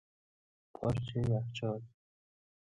پارچ یخچال